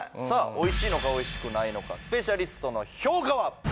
オイシいのかオイシくないのかスペシャリストの評価は？